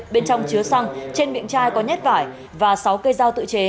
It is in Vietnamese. bên trong chứa xăng trên miệng chai có nhát vải và sáu cây dao tự chế